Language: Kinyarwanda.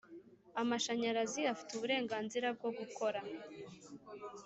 amashanyanyarazi afite uburenganzira bwo gukora